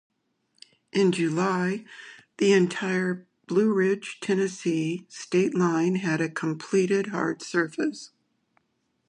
In July, the entire Blue Ridge-Tennessee state line had a completed hard surface.